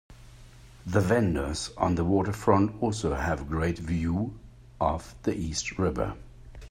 The vendors on the waterfront also have a great view of the East River.